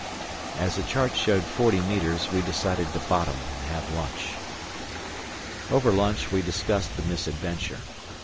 As the chart showed forty metres we decided to bottom and have lunch. Over lunch we discussed the misadventure.